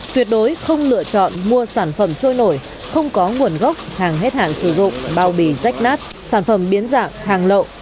tuyệt đối không lựa chọn mua sản phẩm trôi nổi không có nguồn gốc hàng hết hạn sử dụng bao bì rách nát sản phẩm biến dạng hàng lậu